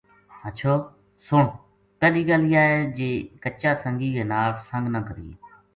ہچھو ! سن ! پہلی گل یاہ ہے جی کچا سنگی کے ناڑ سنگ نہ کرینے